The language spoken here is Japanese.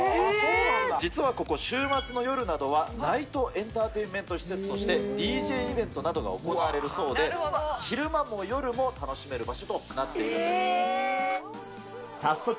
実はここ、週末の夜などは、ないとエンタテインメント施設としてＤＪイベントなどが行われるそうで、昼間も夜も楽しめる場所となっているんです。